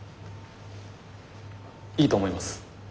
いいと思います。